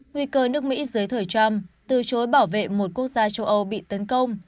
nguy cơ nước mỹ dưới thời trump từ chối bảo vệ một quốc gia châu âu bị tấn công